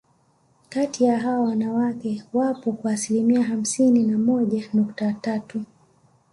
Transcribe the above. Kati ya hawa wanawake wapo kwa asilimia hamsini na moja nukta tatu